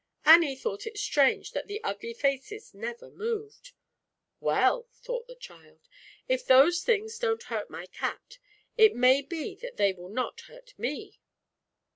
Annie thought it strange that the ugly faces never moved. "Well," thought the child, "If those things don't hurt my cat, it may be that they will not hurt me."